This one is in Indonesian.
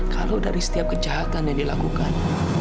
kalau dari setiap kejahatan yang dilakukan